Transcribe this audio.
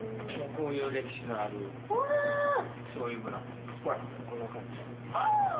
こういう歴史のある。